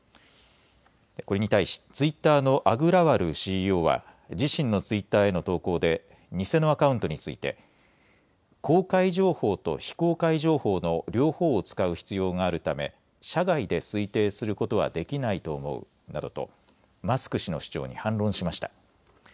これに対しツイッターのアグラワルＣＥＯは自身のツイッターへの投稿で偽のアカウントについて公開情報と非公開情報の両方を使う必要があるため社外で推定することはできないと思うなどとマスク氏の主張に反論しました。